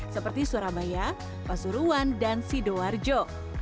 seperti surabaya pasuruan dan sidoarjo